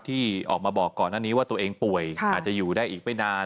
ที่ออกมาบอกก่อนหน้านี้ว่าตัวเองป่วยอาจจะอยู่ได้อีกไม่นาน